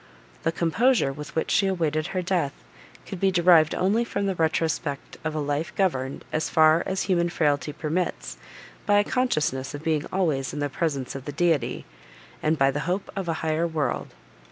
The composure, with which she awaited her death, could be derived only from the retrospect of a life governed, as far as human frailty permits, by a consciousness of being always in the presence of the Deity, and by the hope of a higher world.